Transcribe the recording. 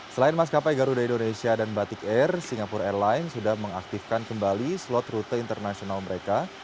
selain maskapai garuda indonesia dan batik air singapura airlines sudah mengaktifkan kembali slot rute internasional mereka